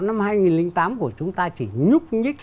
năm hai nghìn tám của chúng ta chỉ nhúc nhích